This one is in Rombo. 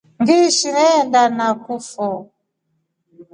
Ngiishi aenda nakufo.